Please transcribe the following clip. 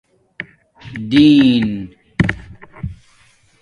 دین